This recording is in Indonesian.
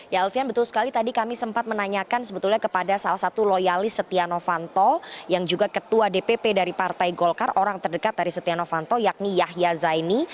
ya alfian betul sekali tadi kami sempat menanyakan sebetulnya kepada salah satu loyalis setia novanto yang juga ketua dpp dari partai golkar orang terdekat dari setia novanto yakni yahya zaini